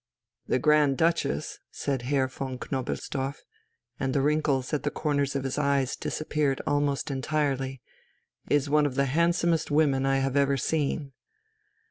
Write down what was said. "The Grand Duchess," said Herr von Knobelsdorff, and the wrinkles at the corners of his eyes disappeared almost entirely, "is one of the handsomest women I have ever seen."